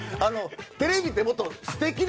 テレビってもっと素敵な。